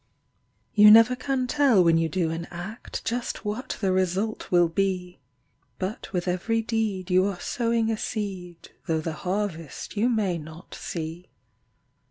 You never can tell when you do an act Just what the result will be; But with every deed you are sowing a seed, Though the harvest you may not see.